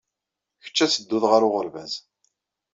Kečč ad teddud ɣer uɣerbaz.